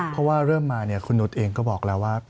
เพราะว่าเริ่มมาคุณนุษย์เองก็บอกแล้วว่า